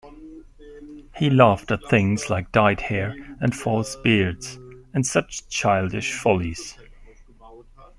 He laughed at things like dyed hair and false beards and such childish follies.